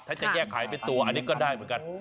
ถ้าจะแยกขายเป็นตัวอันนี้ก็ได้เหมือนกัน